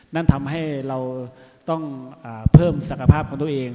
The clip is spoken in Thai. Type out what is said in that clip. นั่นทำให้เราต้องเพิ่มศักภาพของตัวเอง